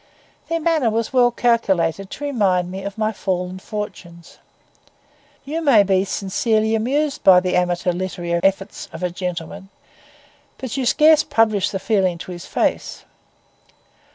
Their manner was well calculated to remind me of my fallen fortunes. You may be sincerely amused by the amateur literary efforts of a gentleman, but you scarce publish the feeling to his face.